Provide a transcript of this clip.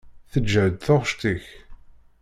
Teǧhed taɣect-ik.